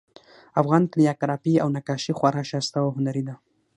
افغان کالیګرافي او نقاشي خورا ښایسته او هنري ده